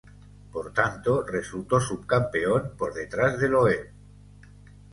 Por tanto, resultó subcampeón por detrás de Loeb.